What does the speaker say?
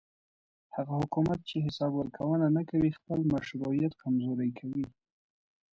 هغه حکومت چې حساب ورکوونه نه کوي خپل مشروعیت کمزوری کوي